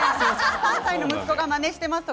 ３歳の息子がまねしています。